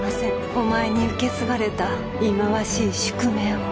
お前に受け継がれた忌まわしい宿命を。